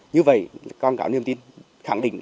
như vậy càng có niềm tin khẳng định